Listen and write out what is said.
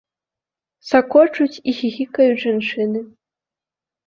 Сакочуць і хіхікаюць жанчыны.